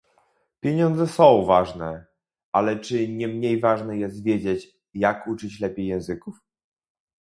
Pieniądze są ważne, ale czy nie mniej ważne jest wiedzieć, jak uczyć lepiej języków?